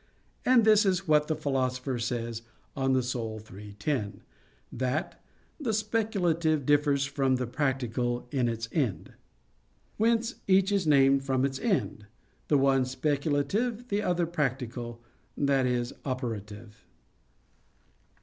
And this is what the Philosopher says (De Anima iii, 10); that "the speculative differs from the practical in its end." Whence each is named from its end: the one speculative, the other practical i.e. operative.